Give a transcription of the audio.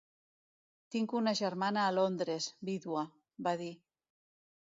"Tinc una germana a Londres, vídua", va dir.